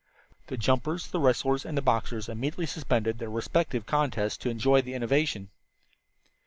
The jumpers, the wrestlers, and the boxers immediately suspended their respective contests to enjoy the innovation.